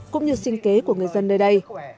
cũng như sinh kế của người dân nơi đây